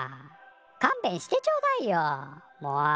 かんべんしてちょうだいよもう。